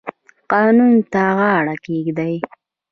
قانون ته غاړه کیږدئ